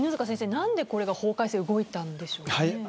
なぜ、この法改正が動いたんでしょうか。